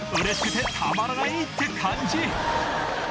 嬉しくてたまらないって感じ